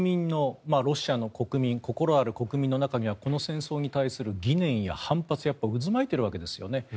ロシアの国民心ある国民の中にはこの戦争に対する疑念や反発が渦巻いているわけですね。